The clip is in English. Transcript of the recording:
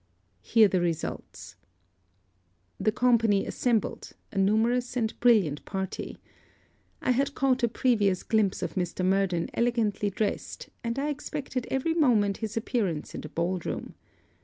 Hear the result. The company assembled, a numerous and brilliant party. I had caught a previous glimpse of Mr. Murden elegantly dressed, and I expected every moment his appearance in the ball room.